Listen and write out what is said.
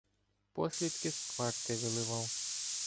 Послідки з кварти виливав.